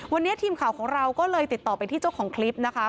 วันนี้ทีมข่าวของเราก็เลยติดต่อไปที่เจ้าของคลิปนะคะ